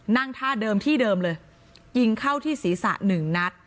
นั่งท่าเดิมที่เดิมเลยยิงเข้าที่ศีรษะหนึ่งนัด